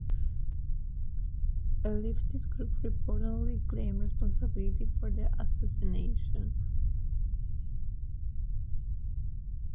A leftist group reportedly claimed responsibility for the assassination.